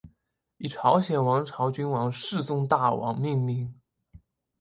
以朝鲜王朝君王世宗大王命名。